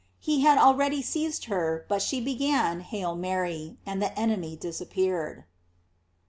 He had already seized her, but she began "Hail Mary," and the enemy disappeared.